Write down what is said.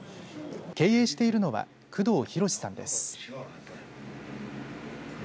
経営しているのは工藤弘さんです。